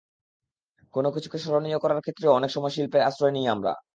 কোনো কিছুকে স্মরণীয় করার ক্ষেত্রেও অনেক সময় শিল্পের আশ্রয় নিই আমরা।